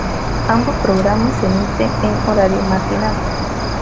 Ambos programas se emiten en el Horario Matinal.